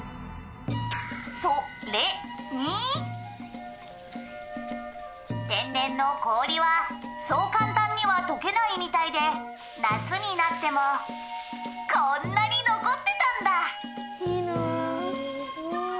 「そ・れ・に天然の氷はそう簡単には溶けないみたいで夏になってもこんなに残ってたんだ」